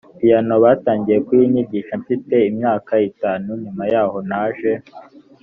piyano batangiye kuyinyigisha mfite imyaka itanu nyuma yaho naje